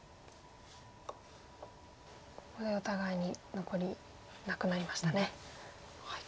ここでお互いに残りなくなりましたね。